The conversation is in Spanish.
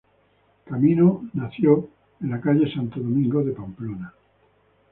Camino nació en la calle Santo Domingo de Pamplona.